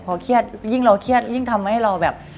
พอเครียดยิ่งเราเครียดยิ่งทำให้เราแบบ